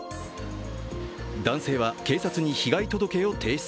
男性は、警察に被害届を提出。